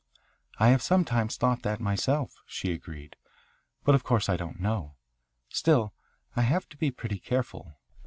"I have sometimes thought that myself," she agreed. "But of course I don't know. Still, I have to be pretty careful.